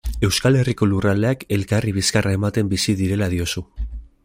Euskal Herriko lurraldeak elkarri bizkarra ematen bizi direla diozu.